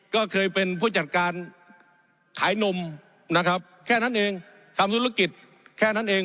ก็เคยเป็นผู้จัดการขายนมนะครับแค่นั้นเองทำธุรกิจแค่นั้นเอง